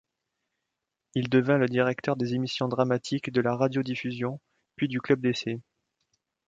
Il devint le directeur des émissions dramatiques de la Radiodiffusion, puis du Club d’essai.